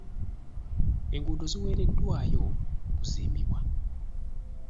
Enguudo ziweereddwayo okuzimbibwa.